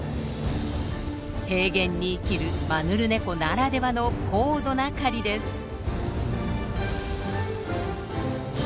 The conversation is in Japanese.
平原に生きるマヌルネコならではの高度な狩りです。